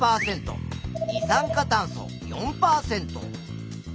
二酸化炭素４％。